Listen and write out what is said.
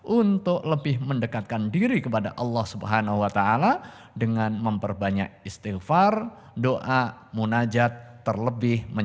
untuk memastikan keamanan vaksin